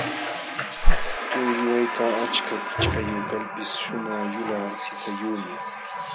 Tuqulluwaykaq achka kichkayuq kalpis shumaq yulaq sisayuqmi.